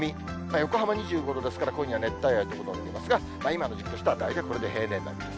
横浜２５度ですから、今夜、熱帯夜ということになりますが、今の時期としては大体これで平年並みです。